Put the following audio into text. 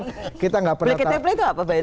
black tape lay itu apa mbak dian